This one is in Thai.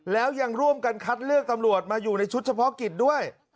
แล้วยังร่วมกันคัดเลือกตำรวจมาอยู่ในชุดเฉพาะกิจด้วย